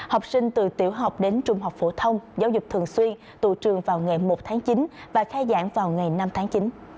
học sinh từ tiểu học đến trung học phổ thông giáo dục thường xuyên tụ trường vào ngày một tháng chín và khai giảng vào ngày năm tháng chín